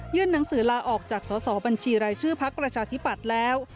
ยื่นหนังสือลาออกจากสอบบัญชีรายชื่อพรรคราชธิปัตย์แล้ว